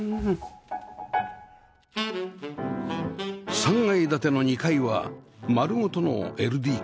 ３階建ての２階は丸ごとの ＬＤＫ